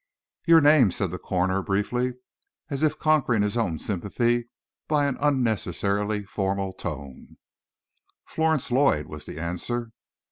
"Your name?" said the corner briefly, as if conquering his own sympathy by an unnecessarily formal tone. "Florence Lloyd," was the answer.